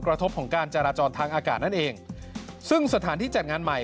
กระทบของการจราจรทางอากาศนั่นเองซึ่งสถานที่จัดงานใหม่